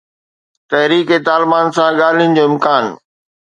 تحريڪ طالبان سان ڳالهين جو امڪان